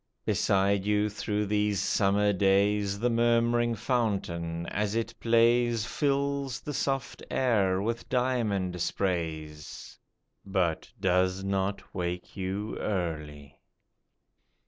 Beside you through these summer days The murmuring fountain, as it plays, Fills the soft air with diamond sprays, But does not wake you early